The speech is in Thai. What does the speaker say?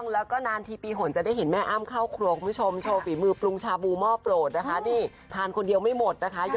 และคุณแม่หน้าหน่ายกมาเต็มบ้านเลยย